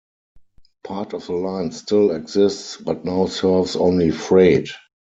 Part of the line still exists but now serves only freight.